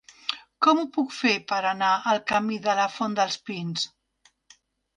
Com ho puc fer per anar al camí de la Font dels Pins?